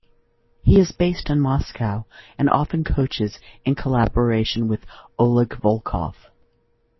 He is based in Moscow and often coaches in collaboration with Oleg Volkov.